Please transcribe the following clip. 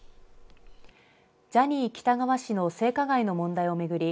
ジャニー喜多川氏の性加害の問題を巡り